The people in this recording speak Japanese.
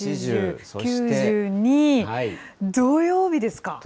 土曜日ですか。